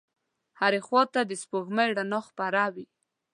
هرې خواته د سپوږمۍ رڼا خپره وه.